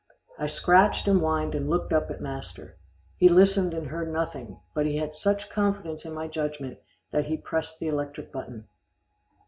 I scratched, and whined, and looked up at master. He listened and heard nothing, but he had such confidence in my judgment, that he pressed the electric button.